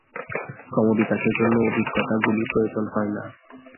ক্রমবিকাশের জন্য অভিজ্ঞতাগুলি প্রয়োজন হয় না।